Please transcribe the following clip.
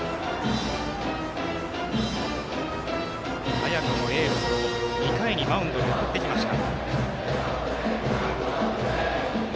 早くもエースを２回にマウンドに送ってきました。